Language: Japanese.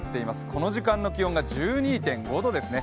この時間の気温が１２．５度ですね。